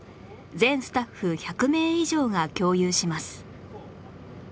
全スタッフ１００名以上が共有します